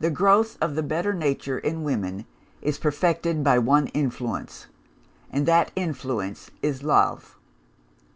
The growth of the better nature, in women, is perfected by one influence and that influence is Love.